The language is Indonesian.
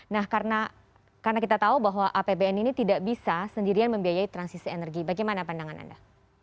nah karena kita tahu bahwa apbn ini tidak bisa sendirian membiayai transisi energi bagaimana pandangan anda